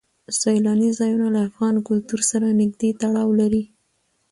سیلاني ځایونه له افغان کلتور سره نږدې تړاو لري.